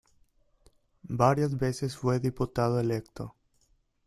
Varias veces fue diputado electo.